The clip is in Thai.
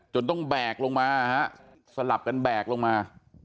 ต้องแบกลงมาฮะสลับกันแบกลงมา